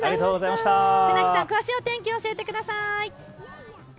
船木さん詳しいお天気、教えてください。